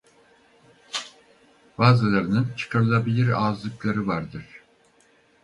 Bazılarının çıkarılabilir ağızlıkları vardı.